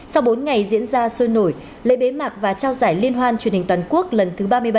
sau bốn ngày diễn ra sôi nổi lễ bế mạc và trao giải liên hoan truyền hình toàn quốc lần thứ ba mươi bảy